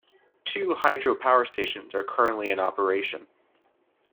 Two hydro power stations are currently in operation.